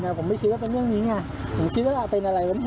แต่ผมไม่คิดว่าเป็นเรื่องนี้เนี่ยผมคิดว่าอาจเป็นอะไรเหมือนแบบนี้